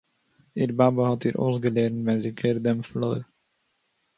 איר באַבע האָט איר אויסגעלערנט ווען זי קערט דעם פלאָר